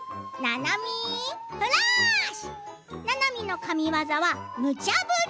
ななみの神業は、むちゃ振り！